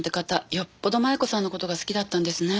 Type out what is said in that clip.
よっぽど摩耶子さんの事が好きだったんですね。